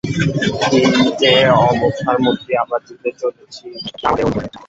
কি যে অবস্থার মধ্য দিয়ে আমরা যুদ্ধে চলেছি, তা আমাদের অনুকূল নয়।